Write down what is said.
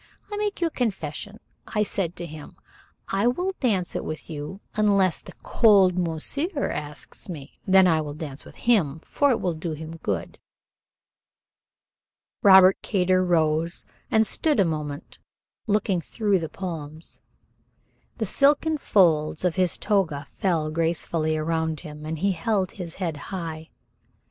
"I make you a confession. I said to him, 'I will dance it with you unless the cold monsieur asks me then I will dance with him, for it will do him good.'" Robert Kater rose and stood a moment looking through the palms. The silken folds of his toga fell gracefully around him, and he held his head high.